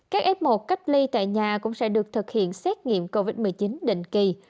các f một cách ly tại nhà cũng sẽ được thực hiện xét nghiệm covid một mươi chín định kỳ